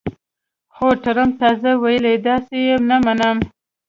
خو ټرمپ تازه ویلي، داسې یې نه منم